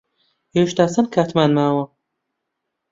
هێشتا چەند کاتمان ماوە؟